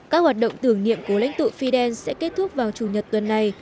các hoạt động tưởng niệm của lãnh tụ fidel sẽ kết thúc vào chủ nhật tuần này